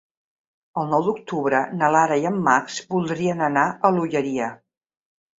El nou d'octubre na Lara i en Max voldrien anar a l'Olleria.